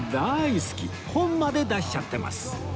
本まで出しちゃってます